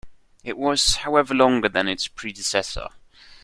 It was, however longer than its predecessor.